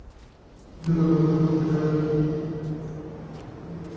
সত্যি কথা বলি, তোমাকে দলে জড়িয়ে ইন্দ্রনাথ ভায়া দেশের লোকসান করেছেন।